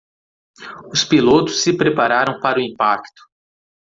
Os pilotos se prepararam para o impacto.